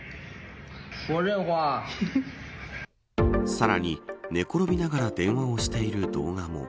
さらに、寝転びながら電話をしている動画も。